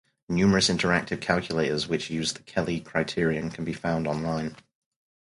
Numerous interactive calculators which use the Kelly criterion can be found online.